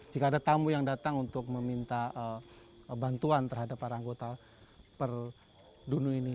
jika ada tamu yang datang untuk meminta bantuan terhadap para anggota perdunu ini